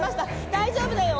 大丈夫だよ。